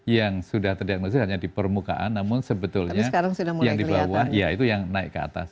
yang sudah terdiagnosis hanya di permukaan namun sebetulnya yang di bawah ya itu yang naik ke atas